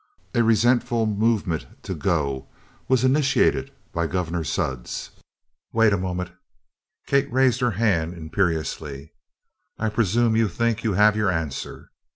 A resentful movement to go was initiated by Gov'nor Sudds. "Wait a moment!" Kate raised her hand imperiously. "I presume you think you have your answer?"